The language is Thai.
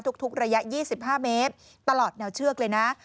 ทุกระยะ๒๕เมตรตลอดแนวเชือกเลยนะ